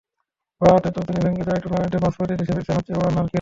বাঁ হাতের তর্জনী ভেঙে যাওয়ায় টুর্নামেন্টের মাঝপথেই দেশে ফিরতে হচ্ছে ওয়ার্নারকে।